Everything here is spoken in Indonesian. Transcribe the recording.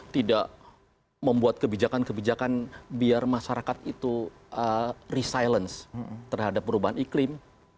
tidak membuat kebijakan kebijakan biar masyarakat itu resilience terhadap perubahan iklim